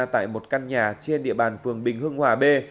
tại một căn nhà trên địa bàn phường bình hưng hòa b